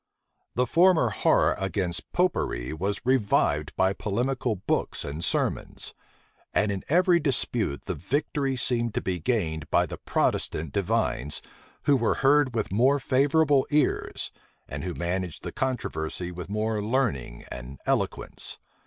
The former horror against Popery was revived by polemical books and sermons; and in every dispute the victory seemed to be gained by the Protestant divines, who were heard with more favorable ears, and who managed the controversy with more learning and eloquence.